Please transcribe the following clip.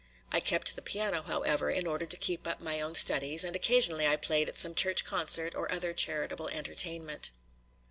I kept the piano, however, in order to keep up my own studies, and occasionally I played at some church concert or other charitable entertainment.